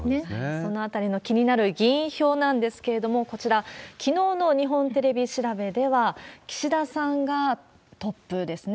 そのあたりの気になる議員票なんですけれども、こちら、きのうの日本テレビ調べでは、岸田さんがトップですね。